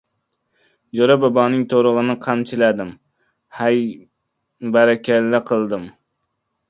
Jo‘ra boboning To‘rig‘ini qamchiladim, haybarakalla qildim.